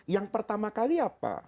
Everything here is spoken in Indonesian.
yang pertama kali apa